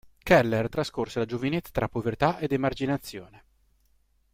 Keller trascorse la giovinezza tra povertà ed emarginazione.